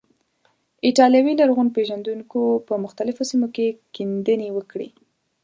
ایټالوي لرغون پیژندونکو په مختلفو سیمو کې کیندنې وکړې.